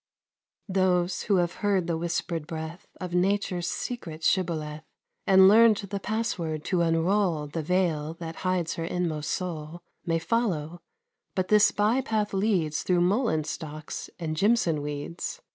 THOSE, who have heard the whispered breath Of Nature's secret "Shibboleth," And learned the pass word to unroll The veil that hides her inmost soul, May follow; but this by path leads Through mullein stalks and jimson weeds.